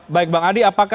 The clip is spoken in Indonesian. baik bang adi apakah